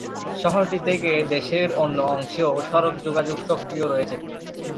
শহরটি থেকে দেশের অন্য অংশেও সড়ক যোগাযোগ সক্রিয় রয়েছে।